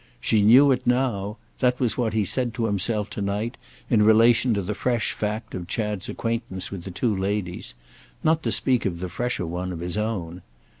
She knew it now: that was what he said to himself to night in relation to the fresh fact of Chad's acquaintance with the two ladies—not to speak of the fresher one of his own.